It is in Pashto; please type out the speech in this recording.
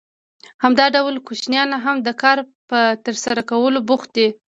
همدا ډول کوچنیان هم د کار په ترسره کولو بوخت دي